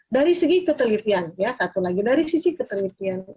dari segi ketelitian ya satu lagi dari sisi ketelitian